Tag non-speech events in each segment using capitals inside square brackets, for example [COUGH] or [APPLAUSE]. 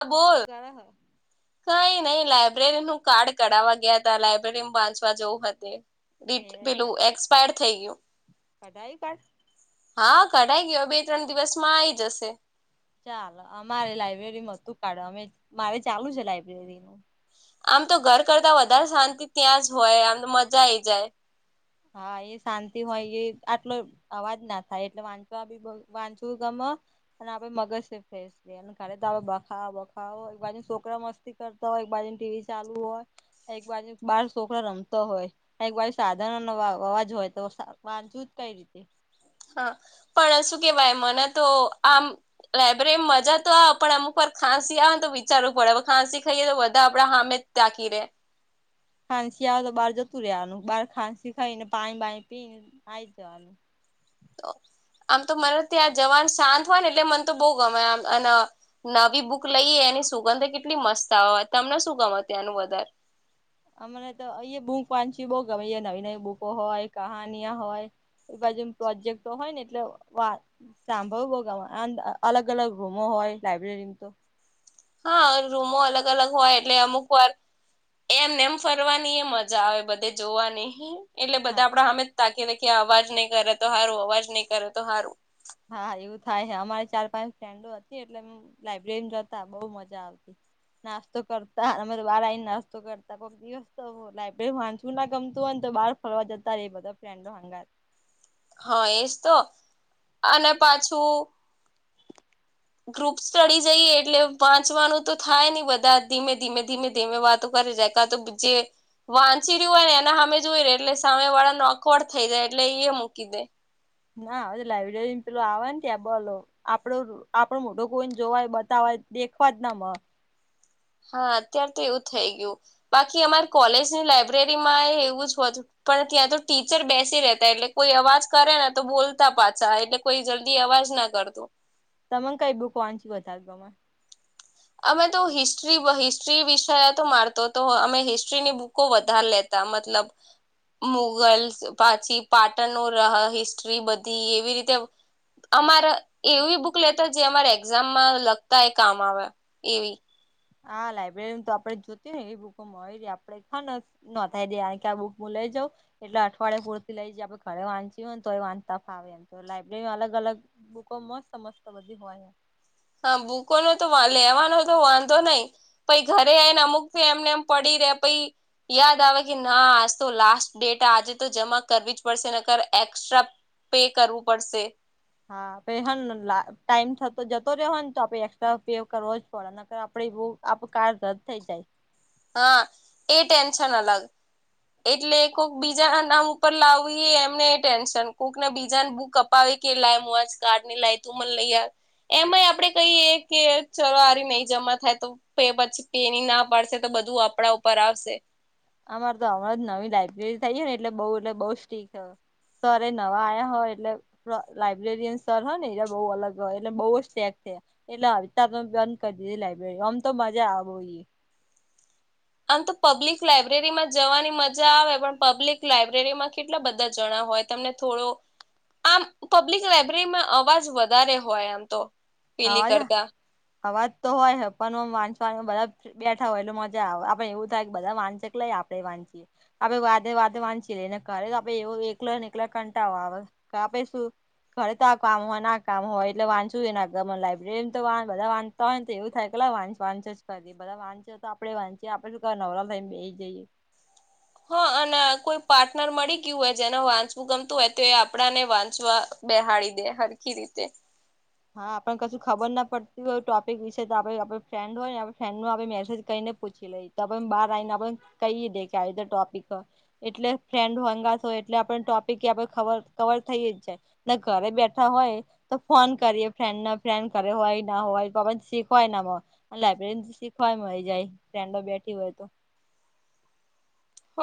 ક બોલ. કર હ કઈ નઈ લાબ્રેરીનુંું કાર્ડ કરાવવા ગયા હતા લાઈબ્રેરી બાંચવા જેવું હત ર એ પેલું કઢાઈ એક્સપાયર થઈ ગયું. કઢાઈ કાઢ હા ઘડાાઈ ગયો બે ત્રણ દિવસમાં આ આવી જશે ચાલ અમારે લાઈબ્રેરી તું કાઢે અમે મારે ચાલુ છે લાઈબ્રેરી નું. આમ તો ઘર કરતા વધારે શાંતિ ત્યાં જ હોય આમ તો મજા આઈ જાય. હા એ શાંતિ હોય એ આટલો. અવાજ ના થાય એટલે વાંચવા બી વાંચું ગમ અને આપડે મગજ ફ ને ખરે બખાવ બખાવ એક બાજ છોકરા મસ્તી કરતા હોય એક બાજુની ટીવી ચાલુ હોય. એક બાજુ બાર છોકરા રમતા હોય એક બાજુ સાધન અવાજ હોય તો વાચવું જ કઈ રીતે. હા પણ શું કેવાય મને તો આમ લાયબ્રેરીમાં મજા તો આવે પણ અમુ વાર ખંસી આવે ને તો વિચારવું પડે હવે ખાંસી ખાઈએ તો બધા આપડા હામે તકીીરે. ખાંસી આવે તો બહાર જતું રવાનું બાર ખાંસી ખાઈને પાણી બાઈ પીને આ આવી જવાનું. આમ તો મને ત્યાં જવાન શાંત હોય ને એટલે મને તો બહુ ગમેમ અને. નવી બુક લઈએ એની સુગંધ કેટલી મસ્ત આવે તમને શું ગમેત ત્યાંનું વધારે. અમને તો અહી બૂક વાંચી બહ કેમે નવી નવી બુકો હોય કહાાનિયા હોય એ બાજુ પ્રોજેક્ટ હોય ને એટલે વા. સાંભળ ભોગામાં અલગ અલગ રૂમો હોય લાયબ્રેરી તો હા રૂમો અલગ અલગ હોય એટલે અમુક વાર. એમ એમ ફરવાની એ મજા આવે બધે જોવા નિ એટલે હા બધા આપડા હમે જ તાકી રાેખી અવાજ નહીં કરે તો સારું અવાજ નહી કરે તો સારું. હા એવું થાય છે અમારી ચાર પાંચ ફ્રેન્ડો હતી એટલે લાયબ્રેરી જતા બઉુ મજા આવતી. નાસ્તો કરતા વાળ આવીને નાસ્તો કરતા કોઈક દિવસ તો. લાયબ્રેરી વાંચવું ના ગમતું હોય તો બહાર ફરવા જતા ર બધા ફ્રેન્ડો હંગાર હા એજ તો અને પાછું ગ્રુપ સ્ટળી જઈએ એટલે વાંચવાનું તો થાય નને બધા ધીમે ધીમે ધીમે ધીમે વાતો કરી જાય. તો પજે. વાંચી રહ્યું હોય ને એના અમે જોય ર એટલે સામે વાળા નોકવડ થઈ જાય એટલે એ મૂકી દે. ના હવે લાઈબ્રેરી પેલું આવને કેબોલો આપડો આપડો મોટો કોઈને જોવાય બતાવાય દેખવા જ ના મ. હા અત્ય્યારે તો એવું થઈ ગયું બાકી અમારી કોલેજની લાઈબ્રેરી માં એવું જ હોતું. પણ ત્યાં તો ટીચર બેસી રહેતા એટલે કોઈ અવાજ કરે ને તો બોલતા પાછા એટલે કોઈ જલ્દી અવાજ ના કરતો. તમે કઈ બુક વાંચ્યું ગમે. અમે તો હિસ્ટ્રી હિસ્ટ્રી વિષય તો મારતો તો અમે હિસ્ટ્રીની બુક કો વધાર લેતા મતલબ. મુગલ્સ પાછી પાટણ ન હિસ્ટ્રી બધી એવી રીતે અમારે એવી બુક લેતા જે અમારે એક્ઝામમાં લગતા એ કામ આવે એવી. હા લાઈબ્રેરી તો આપડે જોતીય ને એ બુકો મળય ર આપડે ખ ન થાય દે કોય આ બુક મું લઈ જાઉ? એટલે અઠવાડયે પૂરથી લઈ જાય. આપડે ઘરે વાંચી્યું હો ને તો એ વાચતા ફાવે એમ તો લાયબ્રેરીમાં અલગ-અલગ બુકો મસ્તસ્ત બધી હોય. હા બુકો નો તો લેવાનો તો વાંધો નહી. પહિ ઘરે આવીઈને અમુક થ એમને એમ પડી રે પ યાદ આવે કે ના આજ તો લાસ્ટ ડેટ આજે તો જમા કરવી જ પડશે ને કર એક્સ્ટ્રા પે કરવું પડશે હા પ હ ટાઈમ થતો જતો રહ્યો હને તો આપે એક્સ્ટ્રા પે કરવો જ આપણે બો, આપણા કાડ રદ થઇ જાય. હા, એ ટેન્શન અલગ. એટલે કોક બીજા નામ ઉપર લાવવી, એ એમનેય ટેન્શન. કોકને બીજાને બુક પાવ કેલાય મુવાજ કાર્ઢની લય તું મ લઇ યાર એમાંય આપડે કહીયએ કે ચલો આરી નહી જમા થાય તો પછી પેની ના પાડશે. તો બધું આપણા ઉપર આવશે. અમાર તો હમણાં જ નવી લાયબ્રેરી થઈ ને એટલે બઉ એટલે બઉ સ્ટીક હ સરે નવા આયા હ એટલે લાઇબ્રેરિયન સર હ ને, એ બહુ અલગ હ એટલે બહુ જ સ્ટેક થયા. એટલે અવતા બંધ કરી દીધી લાઈબ્રેરી. અમ તો મજા આવશે. આમ તો પબ્લિક લાયબ્રેરીમાં જવાની મજા આવે, પણ પબ્લિક લાયબ્રેરીમાં કેટલા બધા જણા હોય. તમને થોડો આમ પબ્લિક લાયબ્રેરીમાં અવાજ વધારે હોય આમ તો. પેલી અવાજ, કરતા અવાજ તો હોય હ, પણ હ વાંચવા નું બરા બેઠા હોય એટલે મજા આવે. આપડે એવું થાય કે બધા વાંચે એટલે આપડે વાંચીએ. આપે વાચે વાચે વાંચીએ લે ને ઘરે આપેડે એવો એકલ ને એકલા કંટાળો આવે. આપે શું ખરે તો, આ કામ હોય ના કામ હોય એટલે વાંચું એ ના લાયબ્રેરી તો વા બધા વાંધતા હોયને, તો એવું થાય કેલા વાચ વાંચ જ કરે બધા વાંચ તો આપડે વાંચીએ. આપણે શું ક નવરાલ થઈને બેહી જઈએ? હા, અને કોઈ પાર્ટનર મળી ગયું હોય જેને વાંચવું ગમતું હોય, તો એ આપડાને વાંચવા બેહાડી દે હરખી રીતે. હા, આપણને કશું ખબર ના પડતી હોય ટોપિક વિશે. તો આપણે આપ ફ્રેન્ડ હોય ને આપ ફ્રેન્ડ નો આપણે મેસેજ કરીને પૂછી લઈ. તો પણ બહાર આવીને આપ કહી દે કે, આલો ટોપિક હ. એટલે ફ્રેન્ડ હો હંગાત હોય, એટલે આપણે ટોપિક આપણે કવર થઈ જાય. ન ઘરે બેઠા હોય તો ફોન કરીએ, ફ્રેડ ફ્રેન્ડ કરે હોય ના હોય તો શીખવાય. લાયબ્રેરીમાં શીખવાય મંડી જાય, ફ્રેન્ડો બેઠી હોય તો. હ,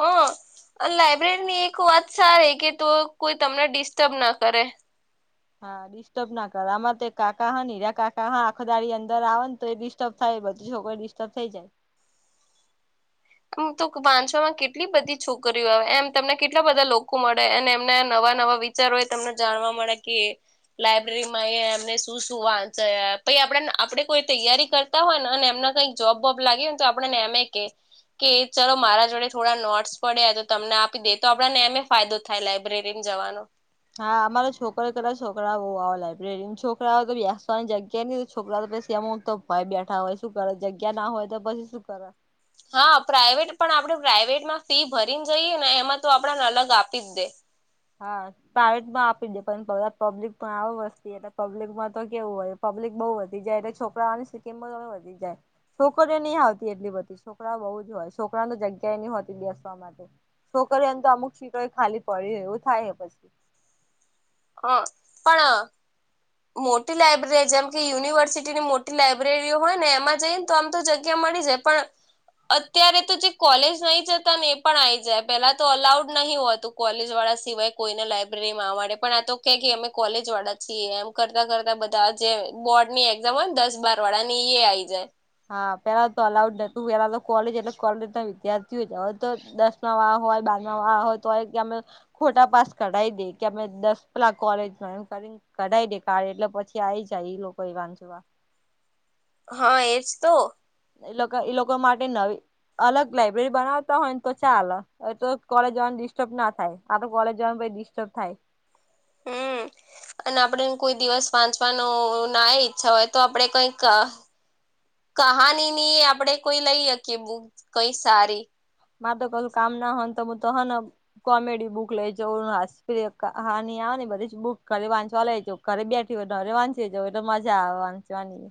અને લાયબ્રેરીની એક વાત સારી કે, તો કોઈ તમને ડિસ્ટર્બ ના કરે. હા, ડિશ ડિસ્ટર્બ ના કરે. આમાં તો કકા હિરા કાકા, હા આખો દાડી અંદર આવે ને, તો એ ડિસ્ટર્બ થાય બધી છોકરી તો થઈ જાય. વાંચવામાં કેટલી બધી છોકરીઓ આવે. એમ તમને કેટલા બધા લોકો મળે અને એમને નવા નવા ચારો એ તમને જાણવા મળે કે લાયબ્રેરી માં એમને શું શું વાંચે, પછી આપ આપડે કોઈ તૈયારી કર તા હોય ને, અને એમના કંઈક જોબ વોબ લાગે હોયને, તો આપડે ને એમે કે કે ચલો, મારા જોડે થોડા નોટસ પડ્યા તો તમને આપી દે તો. આપડા ને એમે ફાયદો થાય લાયબ્રેરીને જવાનો. હા, અમારા છોકરો કરેલા છોકરાઓ લાયબ્રેરી છોકરાઓ તો વ્યાસવાની જગ્યા ન, તો છોકરા તો પછી એમ તો ભાઈ બેઠા હોય, શું કરે? જગ્યા ના હોય તો પછી શું કરે? હા, પ્રાઈવેટ પણ આપડે પ્રાાઈવેટમાં ફી ભરીને જઈએ ને, એમાં તો આપડને અલગ આપી જ દે. હા, પ્રાઇવેટ માં આપી દે, પણ પબ્લિક તો આવું વસ્તી એટલે પબ્લિકમાં તો કેવું હોય? પબ્લિક બહુ વધી જાય એટલે છોકરાઓની સિકકીમ વધી જાય. છોકરીઓ ની આવતી એટલી બધી, છોકરાઓ બઉ જ હોય. છોકરાને જગ્યાએ નહીં હોતી બેસવા માટે. છોકરીઓ એમ તો, અમુક સીટો ખાલી પડી હોય એવું થાય પછી. હ, પણ મોટી લાયબ્રેરી, જેમ કે યુનિવર્સિટીની મોટી લાયબ્રેરીઓ હોય ને, એમાં જઈને તો આમ તો જગ્યા મળી જાય, પણ અત્યારે તો જે કોલેજ નહીં જતા ને, એ પણ આઈ જાય. પેલા તો અલાઉડ નહીં હોતું. કોલેજ વાળા સિવાય કોઈને લાયબ્રેરીમાં આવવાની. પણ આ તો કે, અમે કોલેજ વાળા છીએ એમ કરતા કરતા બધા જે બોર્ડની ને દસ-બાર વાડા ને, એ આ આવી જાય. હા, પેલા તો અલાઉડ નતું. પેલા તો કોલેજ એટલે કોલે વિદ્યાર્થીઓ જાય, તો દસ વા હોય બાર ના, વા હોય તો કેમે? ખોટા પાસ કઢાઈ દે કે અમે દસ પેલા કોલેજમાં એમ કરીને કઢાવી દે કાળે એટલે પછી આઈ જાય ઈ લોકો એવા જોવા હા, એ જ તો. એ લોકો એ લોકો માટે નવી અલગ લાઈબ્રેરી બનાવતા હોય ને, તો ચાલે. એ તો કોલેજ જવાની ડિસ્ટર્બ ના થાય. આ તો કોલેજ જવાનું પછી ડસ્ટર્બ થાય. હમ અને આપડે કોઈ દિવસ વાંચવાનું ના ઈચ્છા હોય તો આપડે કઈક કહાની ની આપડે કોઈ લઈ અકીએ બુક કઈ સારી મારે તો ઘણું કામ ના હોન તો હું તો હન કોમેડી બુક લેજો હપિય કહાની આવે ને બધી જ બુક ખાલી વાંચવા લઇ જઉ ઘરે બેઠી હોય તારે વાંચી જય તો મજા આવે વાંચવાની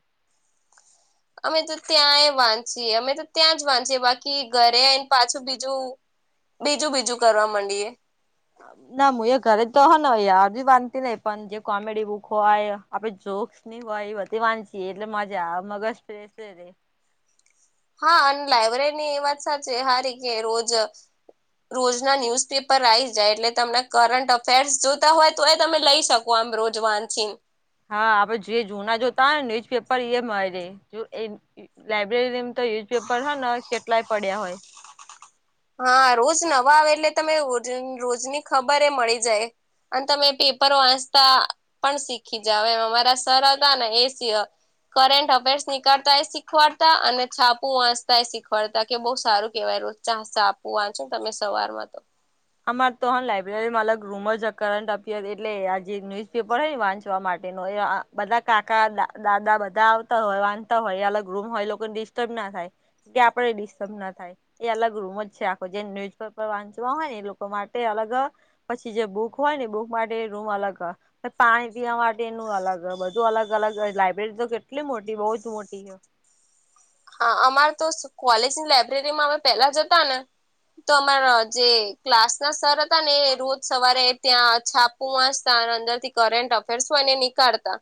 અમે તો ત્યાંય વાંચીએ અમે તો ત્યાં જ વાંચીએ બાકી ઘરે આઈને પાછું બીજું બીજું બીજું કરવા માંડીએે ના હું એ ઘરે તો હો ને યાર બ વાંધી નઈ પણ જે કોમેડી બુક હોય આપે જોક ની એ બઘી વાંચી એટલે મજા આવે મગજ ફ્રેશ રે હા અને લાયબ્રેરી ની એ વાત સાચી હારી કે રોજ રોજના ન્યૂઝપેપર આવી જાય એટલે તમને કરંટ અફેર્સ જોતા હોય તો એ તમે લઈ શકો કો આમ રોજ વાંચીન હા આપડે જે જૂના જોતા હોને ન્યુઝ પેપર એ મળે જો એ લાઈબ્રેરી તો નયુઝપેપર હ ને કેટલાય પડ્યા હોય હા રોજ નવા આવે એટલે તમે રોજની ખબર એ મળી જાય અને તમે પેપર વાંચતા પણ શીખી જાવ એ મારા સર હતા ને એ કરટ અફેર્સ નીકળતા એ શીખવાડતા અને છાપુ વાંચતાય શીખવાડતા કે બહુ સારું કેહેવાય રોજ ચા છાપુ વાંચો ને તમે સવાર માં તો અમાર તો હ લાાઈબ્રેરીમાં અલગ રૂમર્ કરંટ અફેર એટલે આ જે ન્યુઝપેપર છે ને વાંચવા માટેનો એ બધા કાકા અદા દાદા બધા આવતા હોય વાંધતા હોય અલગ રૂમ હોય લોકોને ડિસ્ટર્બ ના થાય કે આપડે ડિસ્ટર્બ ના થાય એ અલગ રૂમ જ છે આખો જે ન્યુઝપેપર વાંચવા હોય ને એ લો કો માટે અલગ પછી જે બુક હોય ને બુક માટે રૂમ અલગ પાણી પીવા માટેનું અલગ બધું અલગ અલગ લાયબ્રેરી તો કેટલી મોટી બહુ જ મોટી છે હા અમારે તો કોલેજની લાઈબ્રેરી માં અમે પેલા જતા ને તો અમારા જે ક્લાસ ના સર હતા ને રોજ સવારે ત્યાં છા પુ વાચતા અને અંદર થી કરન્ટ અફેર્સ હોયને નીકળતા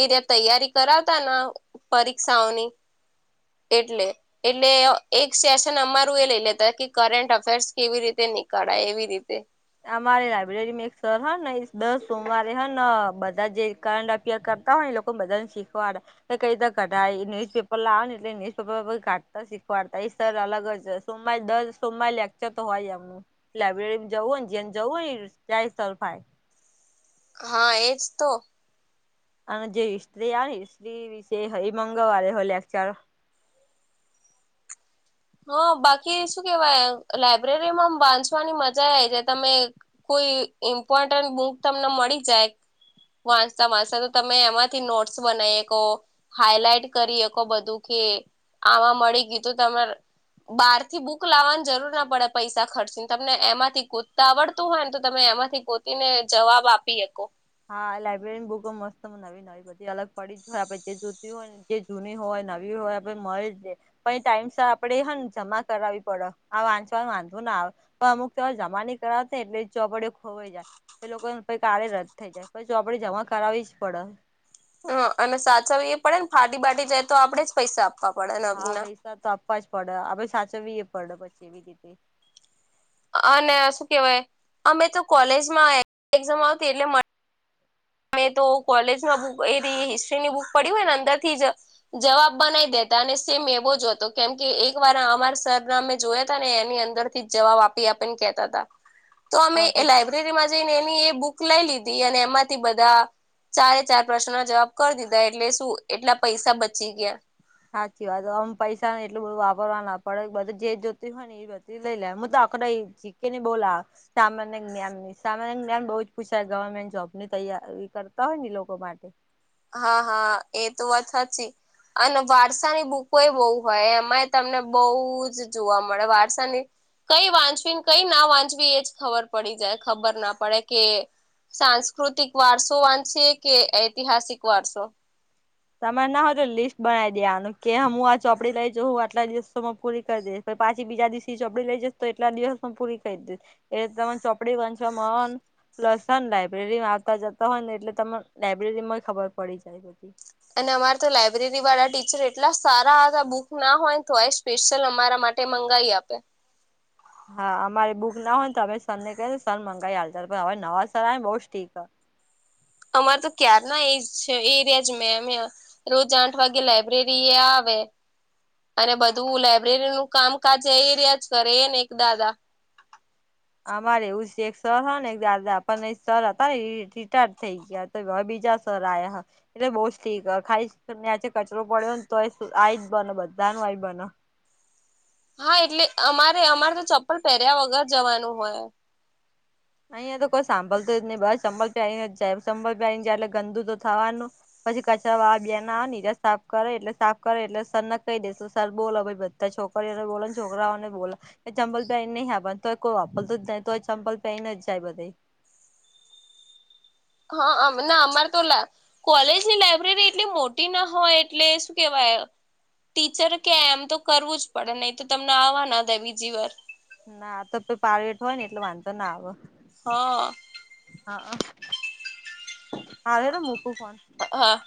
એ રયા તૈયારી કરાવતા પરીક્ષાઓની એટલે એટલે એક સેશન અમારું એ લઇ લેતા કે કરટ અફેર્સ કેવી રીતે નીકળાય એવી રીતે અમારે લાયબ્રેરીમાં એક સર હ ને દસ સોમવારે હ ને બધા જેં કરંટ અ ફેર કરતા હોય એ લોકો બધા ને શીખવાડે એ કઈ રીતે કઢાાય ન્યુઝપેપર લાવ આવે ને એટલે ન્યુઝપેપર કાઢતા શીખવાડતા એ સર અલગ જ સોમવારે દસ સોમવારે લેક્ચર તો હોય એમનું લાયબ્રેરી જવું ને જે જવું હોય ત્યાય સર હોય હા એજ તો અને જે હિસ્ટ્રી આ ને હિસ્ટ્રી વિશે હર મંગળવારે હોય લેક્ચર હા બાકી શું કેવાય લાયબ્રેરીમાં વાંચવાની મજા આવે છે તમે કોઈ ઇમ્પોર્ટન્ટ બુક તમને મળી જાય વાચતા વાચતા તો તમે એમાંથી નોટસ બનાય હકો હાઈલાઈટ કરી શકો બધું કે આમાં મળી ગયું તો‌ તમારે બાર થી બુક લાવવાની જરૂર ના પડે પૈસા ખર્ચીને તમને એમાંથી ગોતતા આવડતું હોય ને તો તમે એમાંથી ગોત ઈ ને જવાબ આપી હકો હા લાયબ્રેરીની બુકો મસ્ત બનાવી વી બધી અલગ પડી જ હોય આપે જે જોતી હોય ને જે જૂની હોય નવી હોય આપડે મળી જ પ ટાઈમ સર આપડે હન જમા કરાવવી પડે આ વાંચવાનું વાંધો ના આવે તો અમુક તોર જમા ની કરાવ ને એટલે ચોપડી ખોવાઈ જાય એ લોકો પ ક [UNINTELLIGIBLE] જો આપડે જમા કરાવી જ પડે. હ, અને સાચવી એ પડે ને, ફાટી બાટી જાય તો આપડે જ પૈસા આપે. હા, પૈસા તો આપવા જ પડે આપે સાચવવી એ પડે પછી એવી રીતે. અને શું કેવાય, અમે તો કોલેજમાં એક્ઝામ આવતી એટલે અમે તો કોલેજમાં બુક એ હિસ્ટ્રીની બુક પડી હોય ને, અંદરથી જ જવાબ બનાવી દેતા અને સેમ એવો જ હતો, કેમ કે એક વાર અમાર સરના મેમે જોયા હતા ને એની અંદર જવાબ આપી આપી ને કેતા હતા. તો અમે એ લાયબ્રેરીમાં જઈને એની એ બુક લઈ લીધી અને એમાં થી બધા ચારે ચાર પ્રશ્નો ના જવાબ કરી દીધા, એટલે શું, એટલા પૈસા બચી ગયા. સાચી વાત, આમ પૈસા ને એટલું બધું વાપરવા ના પડે, બધું જે જોતી હોય ને લઈ લે, હું તો આપડે જી ની બોલા સામાન. સામાન્ય જ્ઞાન બહુ જ પૂછાય, ગવર્મેન્ટ જોબ ની તૈયારી કરતા હોય ને લોકો માટે. હા હા, એ તો વાત સાચી. અને વારસાની બુકો એ બહુ હોય, એમાં એ તમને બહુ જ જોવા મળે, વારસાની. કંઈ વાંચવીને કંઈ ના વાંચવી, એ જ ખબર પડી જાય, ખબર ના પડે કે સાંસ્કૃતિક વારસો વાંચીએ કે ઐતિહાસિક વારસો. તમારે ના હોય તો લિસ્ટ બનાવી દે, આનું કે હું આ ચોપડી લઈ જાઉં, હું આટલા દિવસોમાં પૂરી કરી દઈશ. પાછી બીજા દિવસ ચોપડી લઈ જઈ, તો એટલા દિવસ પણ પૂરી કરી દે. એ તમે ચોપડી વાંચવા મન. પ્લસ, લાયબ્રેરીમાં આવતા જતા હોય ને, એટલે તને લાબ્રેરી માં ખબર પડી જાય બધી અને અમારે તો લાઈબ્રેરી વાળા ટીચર એટલા સારા હતા, બુક ના હોય ને તો એ. સ્પેશિયલ અમારા માટે મંગાઈ આપે. હા, અમારી બુક ના હોય ને તો અમે સરને કહીએ, સર મંગાવી હાલ. હવે નવા સર આવેને, બઉુ ઠીક. અમારે તો ક્યાર ના એજ છે, એ એરિયા જ મે એમ. રોજ આઠ વાગે લાઈબ્રેરી આવે. અને બધું લઇબ્રેરી નું કામકાજ એ રહ્યા જ કરે, એ ને એક દાદા અમારે એવું એક સર હતો ને એક દાદા પણ એ સર હતા ને, રિટાયડ થઈ ગયા હતા. હવે બીજા સર આયા. એટલે બઉુ જ ઠીક. ખાઈ નીચે કચરો પડ્યો ને, તો આ જ બને, બધા ન આય બને. હા, એટલે અમારે અમારે તો ચપ્પલ પહેર્યા વગર જવાનું હોય. અહિયાં તો કોઈ સાંભળતો જ નહીં, બસ ચપલ પહેરીને જાય એટલે ગંદુ તો થવાનું. પછી કચરા વા બે ના સાફ કરે, એટલે સાફ કરે. એટલે સરને કહી દઈએ, સર બોલો બધાને. છોકરીઓને બોલે ને, છોકરાઓને બોલો, ચંપલ પહેરી નહીં આવવાનું, તો કોઈ વાપરે જ ન તો ચંપલ પહેરી ને જ જાય બધા. હા, ના અમારે તોલા. કોલેજની લાઈબ્રેરી એટલી મોટી ના હોય, એટલે શું કેવાય? ટીચર કે, એમ તો કરવું જ પડે, નય તો તમને આવા ના દે બીજી વાર. ના તો પે પાર વેઠો હોય ને, એટલે વાંધો ના આવે. હા હા, હારે મૂકું ફોન. હા